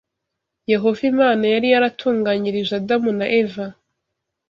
Yehova Imana yari yaratunganyirije Adamu na Eva,